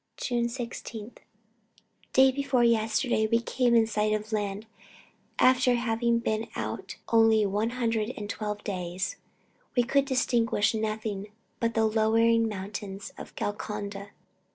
"June 16. Day before yesterday, we came in sight of land, after having been out only one hundred and twelve days. We could distinguish nothing but the lowering mountains of Golconda.